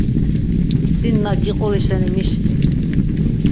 Sin na giquri şeni mişli.